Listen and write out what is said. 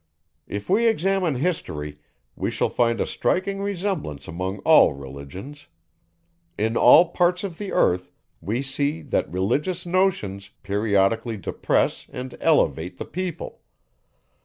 If we examine history, we shall find a striking resemblance among all Religions. In all parts of the earth, we see, that religious notions, periodically depress and elevate the people.